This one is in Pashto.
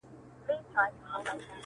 دا بې ذوقه بې هنره محفلونه زموږ نه دي,